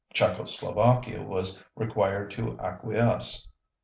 Czechoslovakia was required to acquiesce.